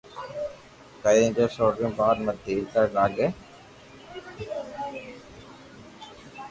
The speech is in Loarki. ڪرين جن سوڙاو يار مني ڪاو لاگي